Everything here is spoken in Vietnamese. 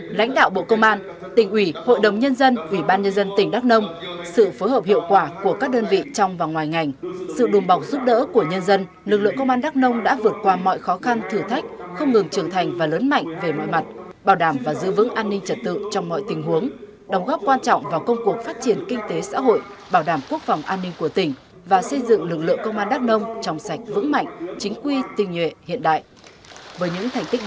trong bộ công an tỉnh ủy hội đồng nhân dân ủy ban nhân dân tỉnh đắk nông sự phối hợp hiệu quả của các đơn vị trong và ngoài ngành sự đùm bọc giúp đỡ của nhân dân lực lượng công an đắk nông đã vượt qua mọi khó khăn thử thách không ngừng trưởng thành và lớn mạnh về mọi mặt bảo đảm và giữ vững an ninh trật tự trong mọi tình huống đồng góp quan trọng vào công cuộc phát triển kinh tế xã hội bảo đảm quốc phòng an ninh của tỉnh và xây dựng lực lượng công an đắk nông trong sạch vững mạnh chính quy tinh nhu